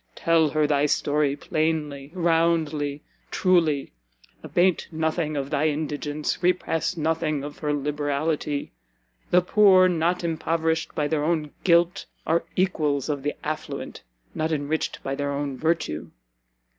Tell her thy story, plainly, roundly, truly; abate nothing of thy indigence, repress nothing of her liberality. The Poor not impoverished by their own Guilt, are Equals of the Affluent, not enriched by their own Virtue.